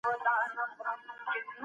هغه ویل چې زه لا هم د زده کړې محصل یم.